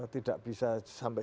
tidak bisa sampai